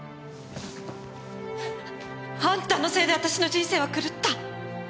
あんたのせいで私の人生は狂った。